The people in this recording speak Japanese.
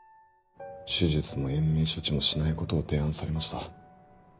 手術も延命処置もしないことを提案されました。